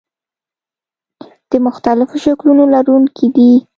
د مختلفو شکلونو لرونکي دي.